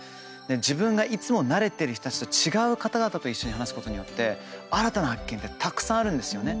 自分がいつも慣れてる人たちと違う方々と一緒に話すことによって新たな発見ってたくさんあるんですよね。